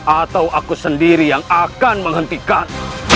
atau aku sendiri yang akan menghentikan